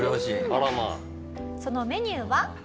そのメニューは。